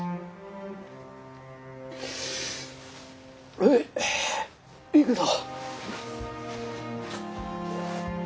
おい行くぞ。